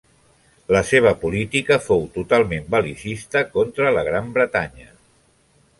La seva política fou totalment bel·licista contra la Gran Bretanya.